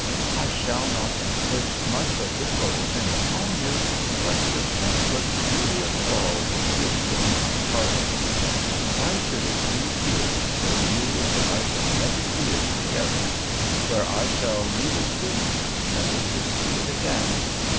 I shall not inflict much of this sort of thing upon you; but the senseless beauty of it all gives one a heartache. Why should it be here, where you and I shall never see it together where I shall leave it soon, never to see it again?